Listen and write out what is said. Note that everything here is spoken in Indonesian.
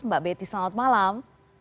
mbak betty selamat malam